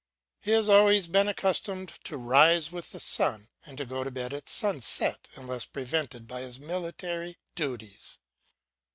He has always been accustomed to rise with the sun and go to bed at sunset unless prevented by his military duties.